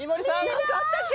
何かあったっけ？